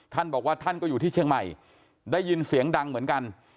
ท่านบอกว่าท่านก็อยู่ที่เชียงใหม่ได้ยินเสียงดังเหมือนกัน